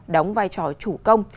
đóng vai trò chủ công